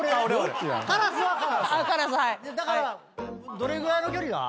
だからどれぐらいの距離だ？